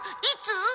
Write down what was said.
いつ？